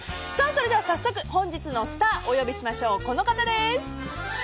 それでは早速、本日のスターをお呼びしましょう。